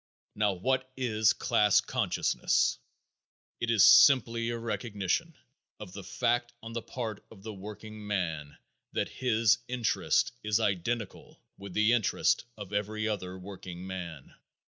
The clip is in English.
Now, what is class consciousness? It is simply a recognition of the fact on the part of the workingman that his interest is identical with the interest of every other workingman.